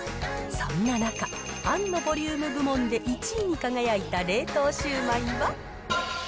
そんな中、あんのボリューム部門で１位に輝いた冷凍シュウマイは。